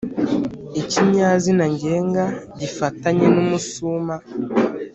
ikinyazina ngenga gifatanye n'umusuma